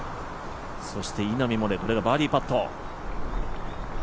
稲見萌寧、これがバーディーパット。